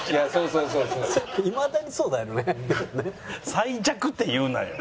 「最弱」って言うなよ。